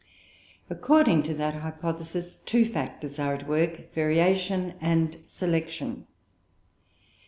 According to that hypothesis, two factors are at work, variation and selection.